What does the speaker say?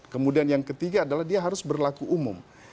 kemudian yang ketiga adalah dia harus berlaku umum